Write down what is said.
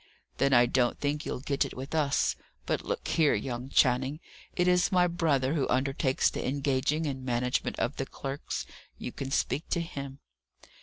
"Then I don't think you'll get it with us. But look here, young Channing, it is my brother who undertakes the engaging and management of the clerks you can speak to him."